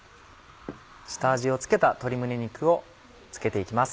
下味を付けた鶏胸肉をつけて行きます。